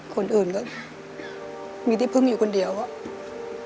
คนอื่นก็มีที่พึ่งอยู่คนเดียวอะ